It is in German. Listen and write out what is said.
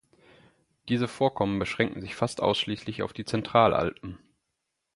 Diese Vorkommen beschränken sich fast ausschließlich auf die Zentralalpen.